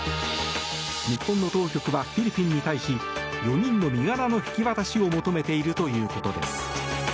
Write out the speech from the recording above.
日本の当局はフィリピンに対し４人の身柄の引き渡しを求めているということです。